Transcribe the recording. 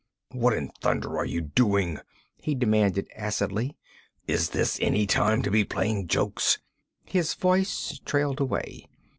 'What in thunder are you doing?' he demanded acidly. 'Is this any time to be playing jokes ' His voice trailed away.